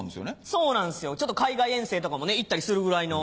そうなんですよちょっと海外遠征とかも行ったりするぐらいの。